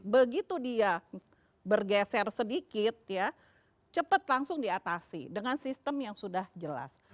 begitu dia bergeser sedikit ya cepat langsung diatasi dengan sistem yang sudah jelas